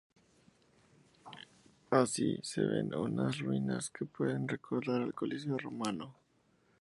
Así, se ven unas ruinas que pueden recordar al Coliseo romano.